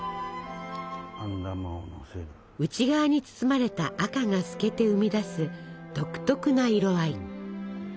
内側に包まれた赤が透けて生み出す独特な色合い。